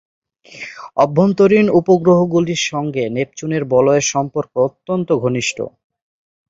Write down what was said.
অভ্যন্তরীণ উপগ্রহগুলির সঙ্গে নেপচুনের বলয়ের সম্পর্ক অত্যন্ত ঘনিষ্ঠ।